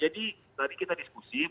jadi tadi kita diskusi